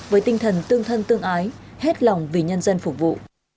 với tinh thần tương thân tương ái hết lòng vì nhân dân phục vụ